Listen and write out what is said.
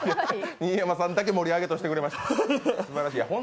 新山さんだけ盛り上げてくれました。